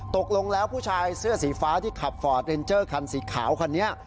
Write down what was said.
ตกลงแล้วผู้ชายเสื้อสีฟ้าที่ขับฟอร์ดเรนเจอร์คันสีขาวคันนี้